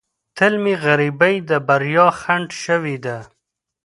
تل مې غریبۍ د بریا خنډ شوې ده.